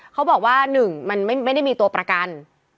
เขาบอกว่า๑มันไม่ได้มีตัวประกัน